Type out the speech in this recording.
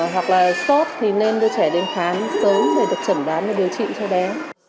hoặc là sốt thì nên đưa trẻ đến khám sớm để được chẩn đoán và điều trị cho bé